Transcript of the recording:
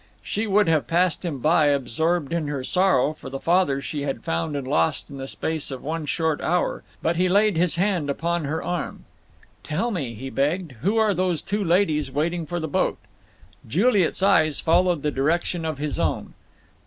She would have passed him by, absorbed in her sorrow for the father she had found and lost in the space of one short hour, but he laid her hand upon her arm. "Tell me," he begged, "who are those two ladies waiting for the boat?" Juliet's eyes followed the direction of his own.